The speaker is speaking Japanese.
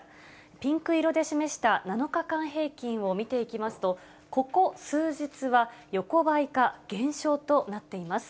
ピンク色で示した７日間平均を見ていきますと、ここ数日は横ばいか減少となっています。